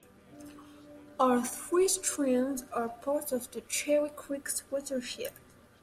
All three streams are part of the Cherry Creek watershed.